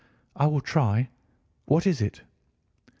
"I will try. What is it?"